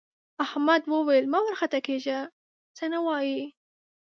احمد وویل مه وارخطا کېږه څه نه وايي.